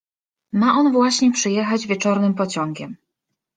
Ma on właśnie przyjechać wieczornym pociągiem.